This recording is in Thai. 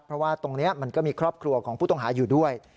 เพราะว่าตรงนี้มันก็มีครอบครัวของผู้ต้องหาอยู่ด้วย